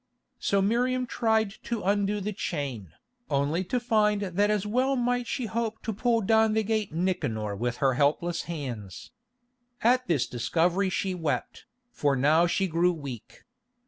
So Miriam tried to undo the chain, only to find that as well might she hope to pull down the Gate Nicanor with her helpless hands. At this discovery she wept, for now she grew weak.